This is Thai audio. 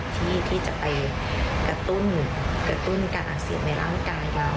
ที่จะไปกระตุ้นการอักเสบในร่างกายเรา